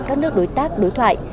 các nước đối tác đối thoại